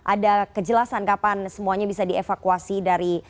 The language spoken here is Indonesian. ada kejelasan kapan semuanya bisa dievakuasi dari